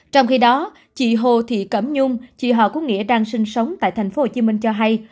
trong khi đó chị hồ thị cẩm nhung chị họ có nghĩa đang sinh sống tại tp hcm cho hay